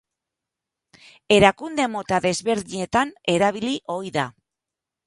Erakunde mota desberdinetan erabili ohi da.